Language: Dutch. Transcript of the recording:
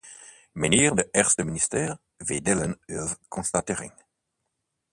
Mijnheer de eerste minister, we delen uw constatering.